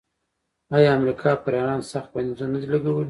آیا امریکا پر ایران سخت بندیزونه نه دي لګولي؟